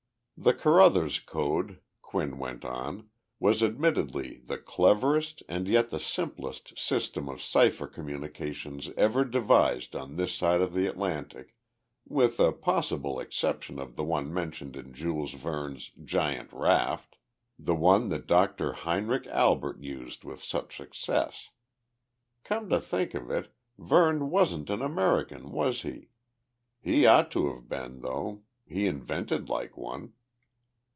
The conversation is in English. The Carruthers Code [Quinn went on] was admittedly the cleverest and yet the simplest system of cipher communication ever devised on this side of the Atlantic, with the possible exception of the one mentioned in Jules Verne's "Giant Raft" the one that Dr. Heinrich Albert used with such success. Come to think of it, Verne wasn't an American, was he? He ought to have been, though. He invented like one.